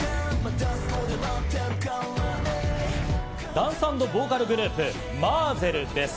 ダンス＆ボーカルグループ、ＭＡＺＺＥＬです。